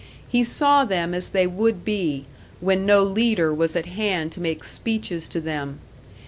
He saw them as they would be, when no leader was at hand to make speeches to them.